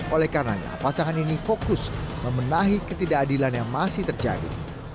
oleh karena pasangan ini fokus memenahi ketidakadilan yang masih terjadi